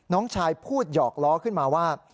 น้องชายพูดหยอกล้อขึ้นมาว่า